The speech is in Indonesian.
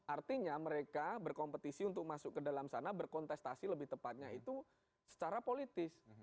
artinya mereka berkompetisi untuk masuk ke dalam sana berkontestasi lebih tepatnya itu secara politis